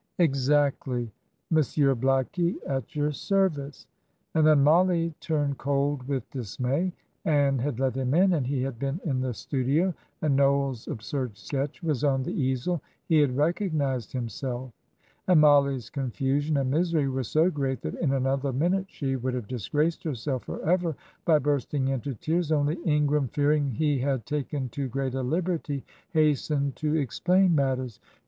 "Exactly. Monsieur Blackie, at your service;" and then Mollie turned cold with dismay. Ann had let him in, and he had been in the studio, and Noel's absurd sketch was on the easel. He had recognised himself. And Mollie's confusion and misery were so great that in another minute she would have disgraced herself for ever by bursting into tears; only Ingram, fearing he had taken too great a liberty, hastened to explain matters.